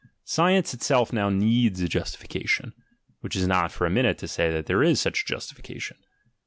Science itself now needs a justification (which is not for a minute to say that there is such a justification).